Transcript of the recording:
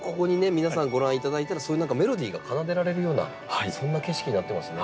皆さんご覧いただいたらそういう何かメロディーが奏でられるようなそんな景色になってますね。